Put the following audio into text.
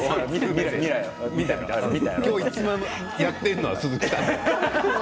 今日いちばんやってるのは鈴木さん。